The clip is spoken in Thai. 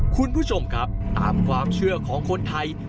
คุณผู้ชมครับตามความเชื่อของคนไทย